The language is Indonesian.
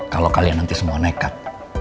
kalau kalian nanti semua nekat